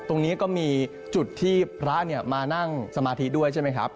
ตรงนี้ก็มีจุดที่พระมานั่งสมาธิด้วยใช่ไหมครับ